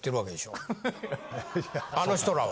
あの人らは。